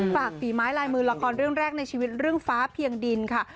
ฝีไม้ลายมือละครเรื่องแรกในชีวิตเรื่องฟ้าเพียงดินค่ะ